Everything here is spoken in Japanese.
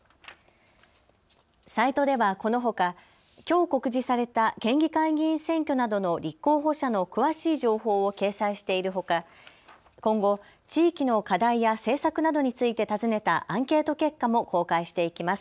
サイトではこのほかきょう告示された県議会議員選挙などの立候補者の詳しい情報を掲載しているほか今後、地域の課題や政策などについて尋ねたアンケート結果も公開していきます。